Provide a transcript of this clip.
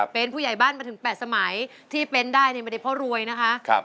เป็นผู้ใหญ่บ้านมาถึง๘สมัยที่เป็นได้ไม่ได้เพราะรวยนะคะ